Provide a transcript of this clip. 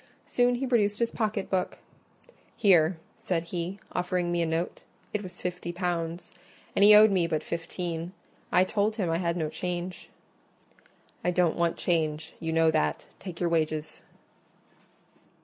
Soon he produced his pocket book: "Here," said he, offering me a note; it was fifty pounds, and he owed me but fifteen. I told him I had no change. "I don't want change; you know that. Take your wages."